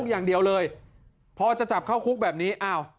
อย่างเดียวเลยพอจะจับเข้าคุกแบบนี้อ้าว